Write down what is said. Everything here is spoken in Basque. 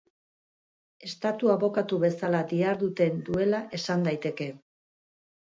Estatu-abokatu bezala diharduten duela esan daiteke.